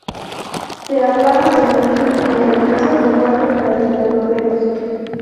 Se hablaba de motín y de amenazas de muerte para los europeos.